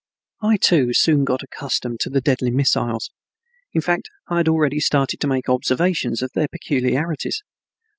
I, too, soon got accustomed to the deadly missiles, in fact, I had already started to make observations of their peculiarities.